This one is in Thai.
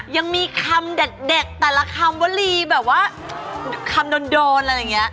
ยังมีคำเด็ดแต่ละคำวลีแบบว่าคำโดนอะไรอย่างนี้